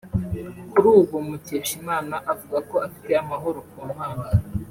Kuri ubu Mukeshimana avuga ko afite amahoro ku Mana